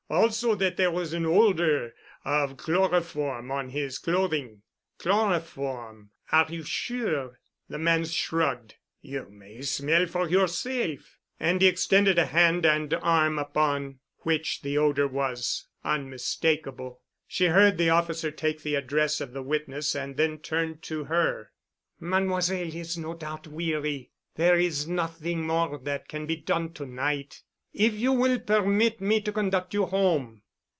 Also that there was an odor of chloroform on his clothing." "Chloroform! Are you sure?" The man shrugged. "You may smell for yourself." And he extended a hand and arm upon which the odor was unmistakable. She heard the officer take the address of the witness and then turn to her. "Mademoiselle is no doubt weary. There is nothing more that can be done to night. If you will permit me to conduct you home."